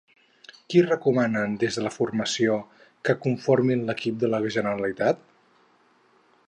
Qui recomanen, des de la formació, que conformin l'equip de la Generalitat?